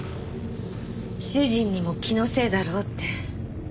主人にも気のせいだろうって。